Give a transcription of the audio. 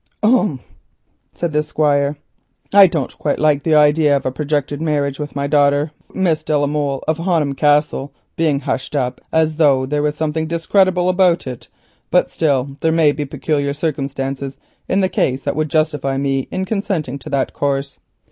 "Umph," said the Squire, "I don't quite like the idea of a projected marriage with my daughter, Miss de la Molle of Honham Castle, being hushed up as though there were something discreditable about it, but still there may be peculiar circumstances in the case which would justify me in consenting to that course.